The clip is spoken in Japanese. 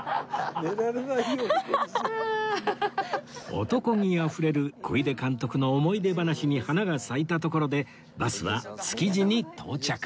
おとこ気あふれる小出監督の思い出話に花が咲いたところでバスは築地に到着